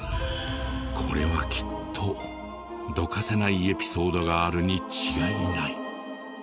これはきっとどかせないエピソードがあるに違いない。